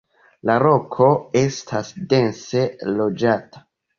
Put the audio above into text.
La loko estas dense loĝata.